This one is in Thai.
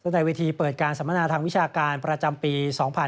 ในเวทีเปิดการสัมมนาทางวิชาการประจำปี๒๕๕๙